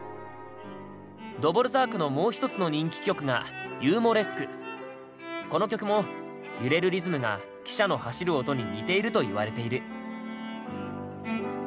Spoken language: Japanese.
ドヴォルザークのもう一つの人気曲がこの曲も揺れるリズムが汽車の走る音に似ていると言われている。